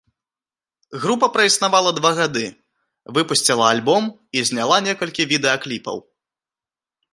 Група праіснавала два гады, выпусціла альбом і зняла некалькі відэакліпаў.